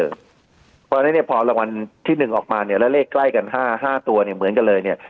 เพราะฉะนั้นเนี่ยพอรางวัลที่๑ออกมาเนี่ยแล้วเลขใกล้กัน๕ตัวเนี่ยเหมือนกันเลยเนี่ย